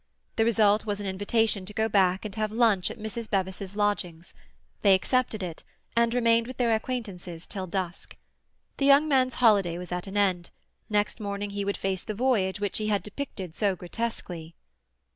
The result was an invitation to go back and have lunch at Mrs. Bevis's lodgings; they accepted it, and remained with their acquaintances till dusk. The young man's holiday was at an end; next morning he would face the voyage which he had depicted so grotesquely.